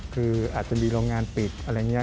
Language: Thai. คืออาจจะมีโรงงานปิดอะไรอย่างนี้